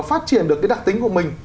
phát triển được cái đặc tính của mình